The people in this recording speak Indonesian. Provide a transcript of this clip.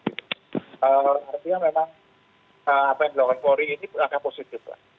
artinya memang apa yang dilakukan polri ini agak positif lah